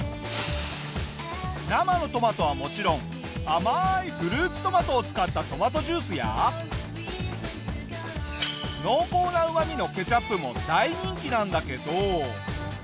生のトマトはもちろん甘いフルーツトマトを使ったトマトジュースや濃厚なうまみのケチャップも大人気なんだけど。